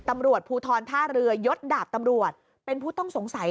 ตำรวจภูทรท่าเรือยดดาบตำรวจเป็นผู้ต้องสงสัย